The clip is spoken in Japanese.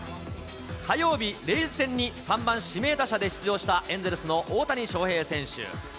火曜日、レイズ戦に３番指名打者で出場したエンゼルスの大谷翔平選手。